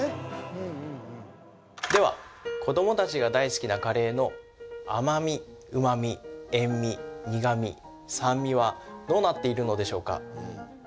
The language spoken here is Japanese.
うんうんうんでは子どもたちが大好きなカレーの甘味うま味塩味苦味酸味はどうなっているのでしょうか